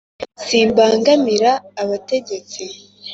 simbangamira abategetsi